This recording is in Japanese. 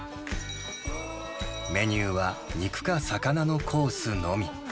メニューは肉か魚のコースのみ。